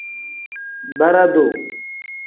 Bara-duu.